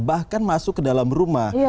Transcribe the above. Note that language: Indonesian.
bahkan masuk ke dalam rumah